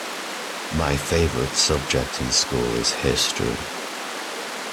My favorite subject in school is history.